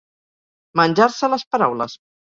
Menjar-se les paraules.